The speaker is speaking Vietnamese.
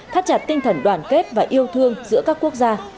thắt chặt tinh thần đoàn kết và yêu thương giữa các quốc gia